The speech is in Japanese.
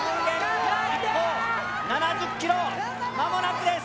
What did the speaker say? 有言実行７０ｋｍ間もなくです。